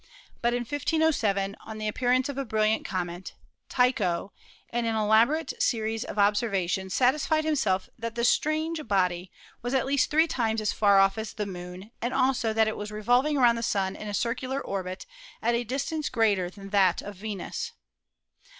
But in 1507, on the appearance of a brilliant comet, Tycho, in an elaborate series of observations, satisfied himself that the strange body was at least three times as far off as the Moon and also that it was revolving around the Sun in a circular orbit at a distance greater than that of Venus.